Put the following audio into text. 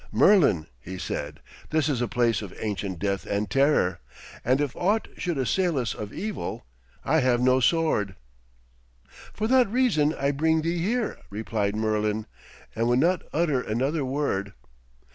'Merlin,' he said, 'this is a place of ancient death and terror, and if aught should assail us of evil, I have no sword.' 'For that reason I bring thee here,' replied Merlin, and would not utter another word.